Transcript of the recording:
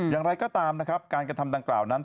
อย่างไรก็ตามนะครับการกระทำดังกล่าวนั้น